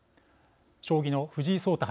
将棋の藤井聡太八